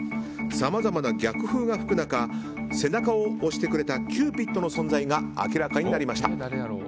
さまざまな逆風が吹く中背中を押してくれたキューピッドの存在が明らかになりました。